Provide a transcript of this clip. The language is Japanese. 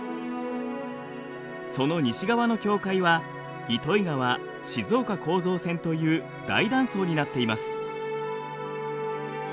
その西側の境界は糸魚川・静岡構造線という大断層になっています。